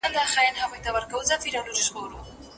نکاح بايد موقتي حرمت هم ونلري.